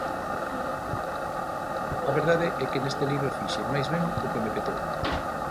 A verdade é que neste libro fixen, máis ben, o que me petou.